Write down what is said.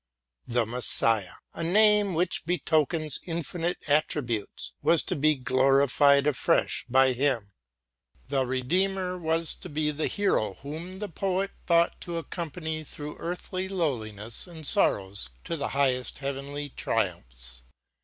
The Messiah, a name which betokens infinite attributes, was to be glorified afresh by him. The Redeemer was to be the hero whom the poet thought to accompany through earthly lowli ness and sorrows to the highest heavenly triumphs.